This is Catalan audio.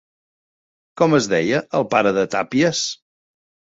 Com es deia el pare de Tàpies?